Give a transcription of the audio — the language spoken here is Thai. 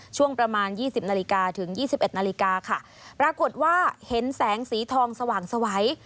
ช่วงประมาณยี่สิบนาฬิกาถึง๒๑นาฬิกาค่ะปรากฏว่าเห็นแสงสีทองสว่างสวัย